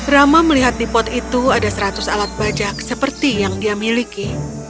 rama melihat di pot itu ada seratus alat bajak seperti yang dia miliki